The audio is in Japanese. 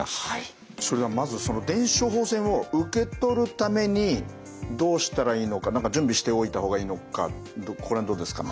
それではまずその電子処方箋を受け取るためにどうしたらいいのか何か準備しておいた方がいいのかここら辺どうですかね？